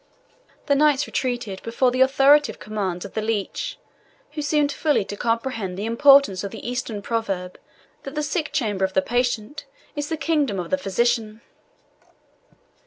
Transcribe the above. The knights retreated before the authoritative commands of the leech, who seemed fully to comprehend the importance of the Eastern proverb that the sick chamber of the patient is the kingdom of the physician.